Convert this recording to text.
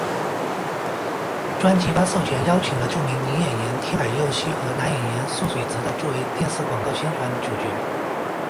专辑发售前邀请了著名女演员天海佑希和男演员速水直道作为电视广告宣传主角。